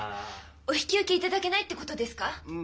お引き受けいただけないってことですか？